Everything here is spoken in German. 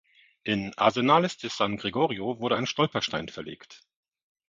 In Arenales de San Gregorio wurde ein Stolperstein verlegt.